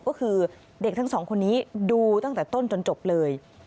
ก็คือเด็กทั้งสองคนนี้ดูตั้งแต่ต้นจนจบเลย